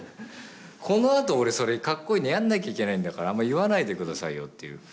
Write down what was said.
このあと俺それかっこいいのやんなきゃいけないんだからあんま言わないでくださいよっていう。